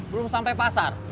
belum sampai pasar